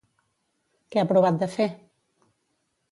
Què ha provat de fer?